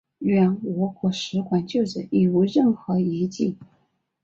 原俄国使馆旧址已无任何遗迹。